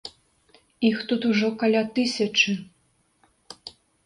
Іх тут ужо каля тысячы!